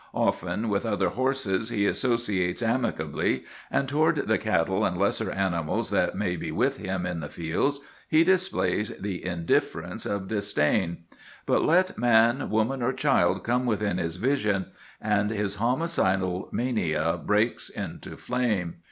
Often with other horses he associates amicably, and toward the cattle and lesser animals that may be with him in the fields he displays the indifference of disdain. But let man, woman, or child come within his vision, and his homicidal mania breaks into flame.